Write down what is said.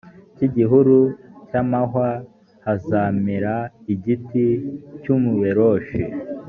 cy igihuru cy amahwa hazamera igiti cy umuberoshi